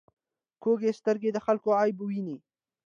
کوږه سترګه د خلکو عیب ویني